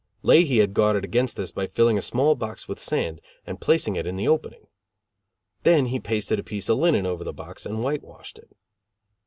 Leahy had guarded against this by filling a small box with sand and placing it in the opening. Then he pasted a piece of linen over the box and whitewashed it.